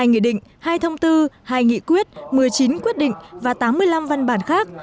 hai nghị định hai thông tư hai nghị quyết một mươi chín quyết định và tám mươi năm văn bản khác